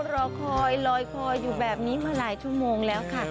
รอคอยลอยคออยู่แบบนี้มาหลายชั่วโมงแล้วค่ะ